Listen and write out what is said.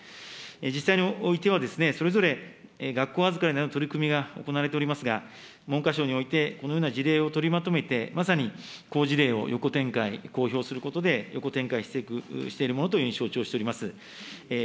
自治体においては、それぞれ学校預かりなどの取り組みが行われておりますが、文科省においてこのような事例を取りまとめて、まさに好事例を横展開、公表することで、横展開しているものというふうに承知をしております。